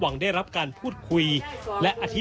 แม่จะมาเรียกร้องอะไร